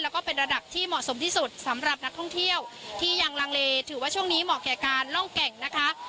แล้วก็เป็นระดับที่เหมาะสมที่สุดสำหรับนักท่องเที่ยวที่ยังลังเลถือว่าช่วงนี้เหมาะแก่การล่องแก่งนะคะ